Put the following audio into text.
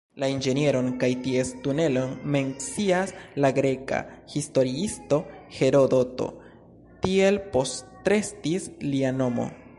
La inĝenieron kaj ties tunelon mencias la greka historiisto Herodoto, tiel postrestis lia nomo.